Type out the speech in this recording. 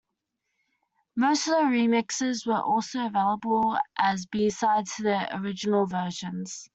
Most of the remixes were also available as B-sides to the original versions.